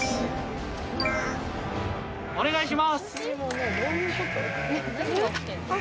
お願いします。